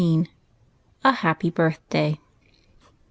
A HAPPY BIRTHDAY.